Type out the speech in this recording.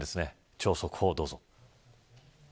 超速報をどうぞ。